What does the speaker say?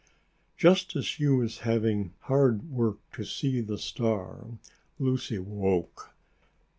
_] Just as she was having hard work to see the star, Lucy woke.